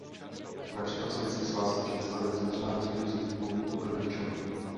Například Sovětský svaz a Čína stavěly značná množství různých typů torpédových člunů.